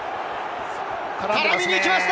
絡みに行きました。